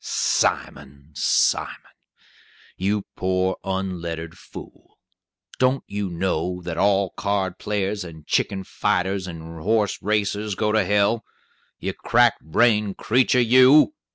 "Simon! Simon! you poor unlettered fool. Don't you know that all card players and chicken fighters and horse racers go to hell? You crack brained creetur, you!